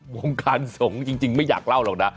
วงการสงฆ์จริงไม่อยากเล่าหรอกนะ